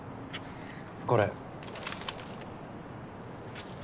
これ。